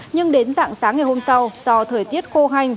nhưng đến dạng sáng ngày hôm sau do thời tiết khô hành